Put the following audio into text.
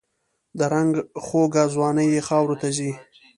د رنګ خوږه ځواني یې خاوروته ځي